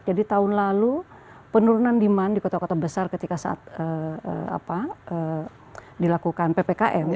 jadi tahun lalu penurunan demand di kota kota besar ketika saat dilakukan ppkn